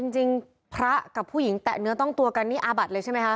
จริงพระกับผู้หญิงแตะเนื้อต้องตัวกันนี่อาบัดเลยใช่ไหมคะ